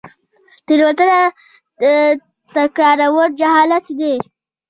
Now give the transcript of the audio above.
تیروتنه تکرارول جهالت دی